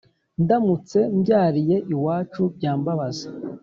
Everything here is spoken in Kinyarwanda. Ndamutse mbyariye iwacu byambabaza